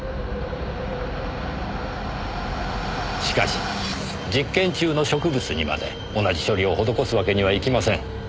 しかし実験中の植物にまで同じ処理を施すわけにはいきません。